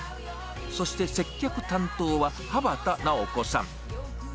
そして接客担当は巾田直子さん。